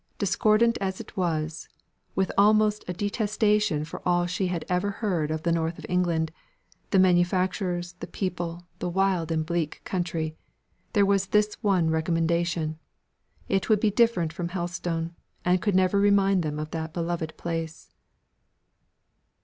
Discordant as it was with almost a detestation for all she had ever heard of the North of England, the manufacturers, the people, the wild and bleak country there was this one recommendation it would be different to Helstone, and could never remind them of that beloved place.